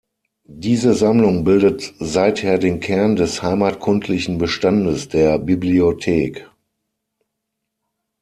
Diese Sammlung bildet seither den Kern des heimatkundlichen Bestandes der Bibliothek.